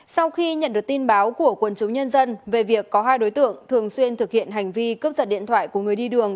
sau khi nhận được tin báo của quân chúng nhân dân về việc có hai đối tượng thường xuyên thực hiện hành vi cướp giật điện thoại của người đi đường